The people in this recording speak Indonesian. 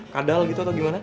kadal gitu atau gimana